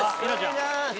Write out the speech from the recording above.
お願いします